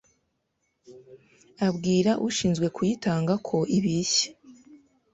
abwira ushinzwe kuyitanga ko ibishye